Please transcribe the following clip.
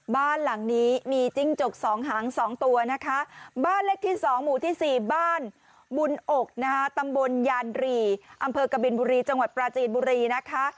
บ้านหลังนี้มีจิ้งจกสองหาง๒ตัวนะคะบ้านเลขที่๒หมู่ที่๔บ้านบุญอกนะคะตำบลยานรีอำเภอกบินบุรีจังหวัดปราจีนบุรีนะคะ